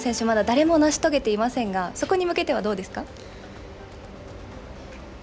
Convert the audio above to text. まだ誰も成し遂げていませんが、そこに向けてはどうですか。